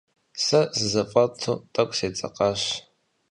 Сэ сызэфӏэту тӏэкӏу седзэкъащ.